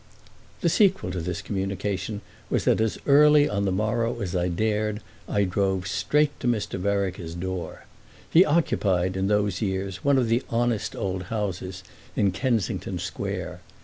The sequel to this communication was that as early on the morrow as I dared I drove straight to Mr. Vereker's door. He occupied in those years one of the honest old houses in Kensington Square.